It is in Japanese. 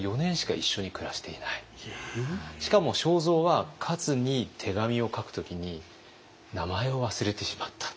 しかも正造はカツに手紙を書く時に名前を忘れてしまった。